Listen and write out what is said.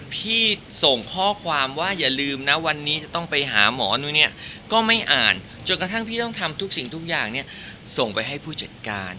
พี่ส่งข้อความว่าอย่าลืมนะวันนี้จะต้องไปหาหมอนุ้ยเนี่ยก็ไม่อ่านจนกระทั่งพี่ต้องทำทุกสิ่งทุกอย่างเนี่ยส่งไปให้ผู้จัดการ